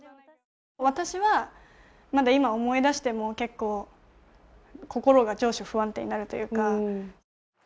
私は今、思い出しても結構、心が情緒不安定になるというか。